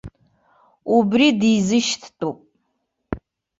Убри дизышьҭтәуп.